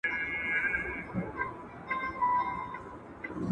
شننه بشپړه کړه.